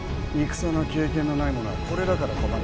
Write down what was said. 「戦の経験のない者はこれだから困る」。